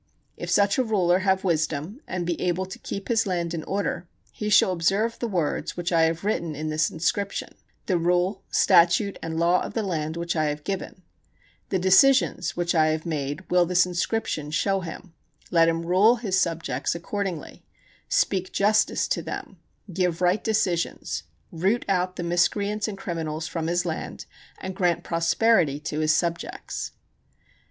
If such a ruler have wisdom, and be able to keep his land in order, he shall observe the words which I have written in this inscription; the rule, statute and law of the land which I have given; the decisions which I have made will this inscription show him; let him rule his subjects accordingly, speak justice to them, give right decisions, root out the miscreants and criminals from his land, and grant prosperity to his subjects.